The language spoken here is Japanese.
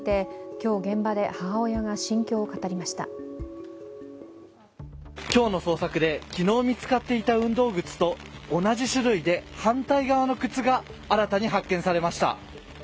今日の捜索で昨日見つかっていた運動靴と同じ種類で反対側の靴が新たに発見されました。